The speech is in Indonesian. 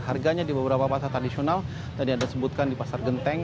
harganya di beberapa pasar tradisional tadi anda sebutkan di pasar genteng